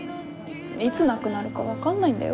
いつなくなるか分かんないんだよ？